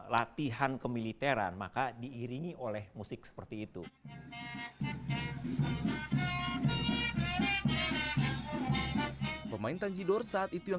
latihan kemiliteran maka diiringi oleh musik seperti itu pemain tanjidor saat itu yang